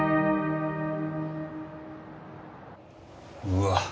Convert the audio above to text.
うわ。